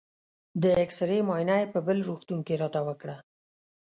د اېکسرې معاینه یې په بل روغتون کې راته وکړه.